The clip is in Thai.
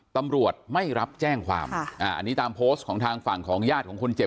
ตำรวจไม่รับแจ้งความอันนี้ตามโพสต์ของทางฝั่งของญาติของคนเจ็บ